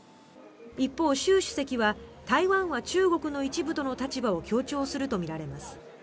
一方、習主席は台湾は中国の一部との立場を強調するとみられます。